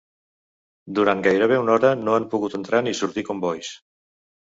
Durant gairebé una hora no han pogut entrar ni sortir combois.